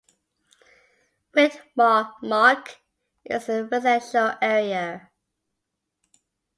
Weitmar-Mark is a residential area.